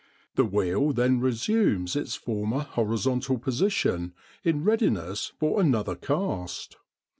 The wheel then resumes its former horizontal position in readiness for another cast.